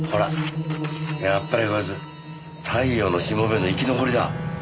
やっぱりこいつ「太陽のしもべ」の生き残りだ。